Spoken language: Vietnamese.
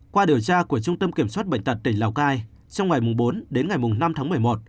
qua điều tra của trung tâm kiểm soát bệnh tật tỉnh lào cai trong ngày bốn đến ngày năm tháng một mươi một